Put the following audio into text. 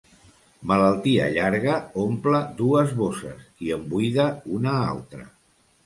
Malaltia llarga omple dues bosses i en buida una altra.